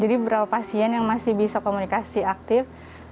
jadi beberapa pasien yang masih bisa komunikasi aktif